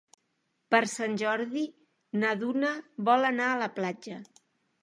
Per Sant Jordi na Duna vol anar a la platja.